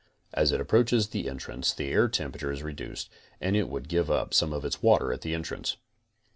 As it approaches the entrance the temperature is reduced and it would give un some of its water at the entrance.